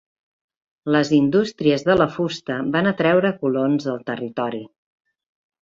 Les indústries de la fusta van atreure colons al territori.